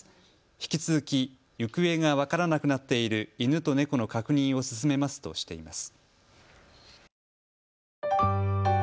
引き続き行方が分からなくなっている犬と猫の確認を進めますとしています。